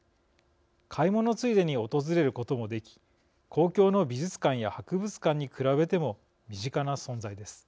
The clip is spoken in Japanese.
買い物ついでに訪れることもでき公共の美術館や博物館に比べても身近な存在です。